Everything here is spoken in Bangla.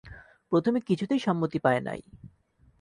প্রথমে কিছুতেই সম্মতি পায় নাই।